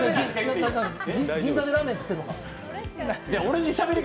銀座でラーメン食ってんのか？